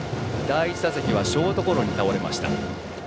第１打席はショートゴロに倒れました。